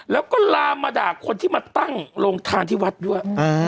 แล้วก็ลามมาด่าคนที่มาตั้งโรงทานที่วัดด้วย